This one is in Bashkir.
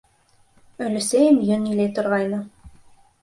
Өләсәйем йөн иләй торғайны.